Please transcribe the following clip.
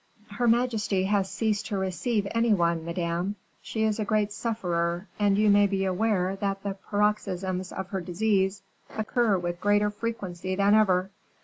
"Her majesty has ceased to receive any one, madame. She is a great sufferer, and you may be aware that the paroxysms of her disease occur with greater frequency than ever."